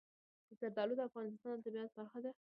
زردالو د افغانستان د طبیعت برخه ده.